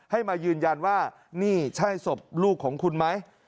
ให้มายืนยันว่านี่ใช่ศพลูกของคุณไหม